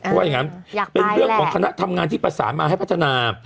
เพราะว่าอย่างนั้นเป็นเรื่องของคณะทำงานที่ประสานมาให้พัฒนา